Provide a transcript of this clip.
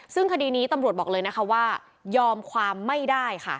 ซึ่งคดีนี้ตำรวจบอกเลยนะคะว่ายอมความไม่ได้ค่ะ